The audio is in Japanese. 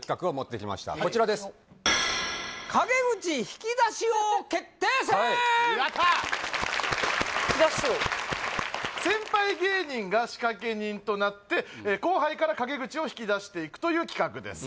引き出し王先輩芸人が仕掛け人となって後輩から陰口を引き出していくという企画です